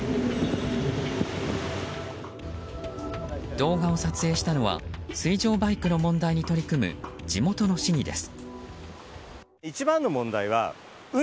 動画を撮影したのは水上バイクの問題に取り組む地元の市議です。